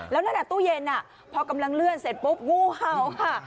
แล้วในระดับตู้เย็นน่ะพอกำลังเลื่อนเสร็จปุ๊บงูเห่าค่ะ